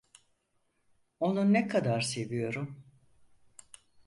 Onu ne kadar seviyorum…